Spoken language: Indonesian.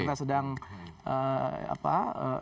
nah itu sudah diperbaiki pak ahok